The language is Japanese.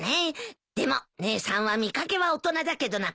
でも姉さんは見掛けは大人だけど中身は子供だよ。